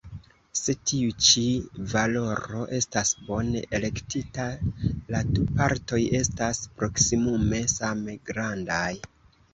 Se tiu ĉi valoro estas bone elektita, la du partoj estas proksimume same grandaj.